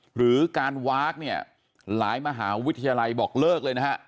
หรือการวาคเนี่ยหลายมหาวิทยาลัยบอกเลิกเลยนะฮะ